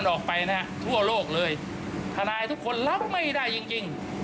ออกไปนะฮะทั่วโลกเลยทนายทุกคนรับไม่ได้จริงจริง